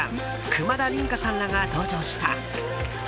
久間田琳加さんらが登場した。